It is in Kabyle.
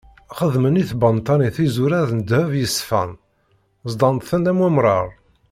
Xedmen i tbanta-nni tizuraz s ddheb yeṣfan, ẓḍan-tent am wemrar.